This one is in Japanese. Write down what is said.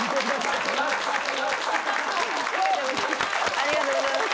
ありがとうございます。